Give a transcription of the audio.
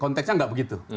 konteksnya nggak begitu